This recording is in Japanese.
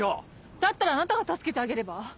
だったらあなたが助けてあげれば？